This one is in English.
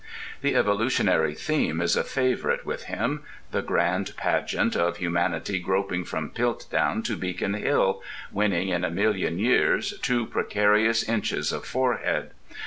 The evolutionary theme is a favourite with him: the grand pageant of humanity groping from Piltdown to Beacon Hill, winning in a million years two precarious inches of forehead.